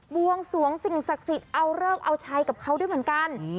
วงสวงสิ่งศักดิ์สิทธิ์เอาเลิกเอาชัยกับเขาด้วยเหมือนกัน